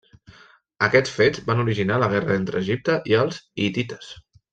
Aquests fets van originar la guerra entre Egipte i els hitites.